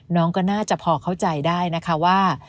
น้องก็น่าจะพอเข้าใจได้นะคะว่า